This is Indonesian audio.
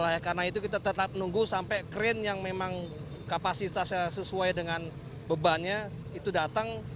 oleh karena itu kita tetap nunggu sampai krain yang memang kapasitasnya sesuai dengan bebannya itu datang